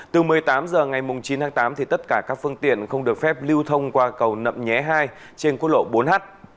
từ một mươi tám h ngày chín tháng tám tất cả các phương tiện không được phép lưu thông qua cầu nậm nhé hai trên quốc lộ bốn h